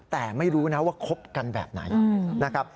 แต่ไม่รู้นะว่าคบกันแบบไหนนะครับ